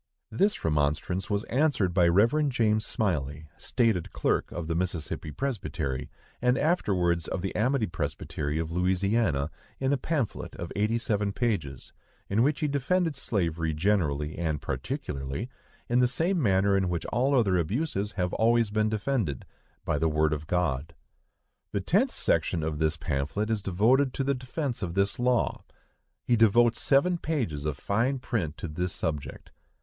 This remonstrance was answered by Rev. James Smylie, stated clerk of the Mississippi Presbytery, and afterwards of the Amity Presbytery of Louisiana, in a pamphlet of eighty seven pages, in which he defended slavery generally and particularly, in the same manner in which all other abuses have always been defended—by the word of God. The tenth section of this pamphlet is devoted to the defence of this law. He devotes seven pages of fine print to this object.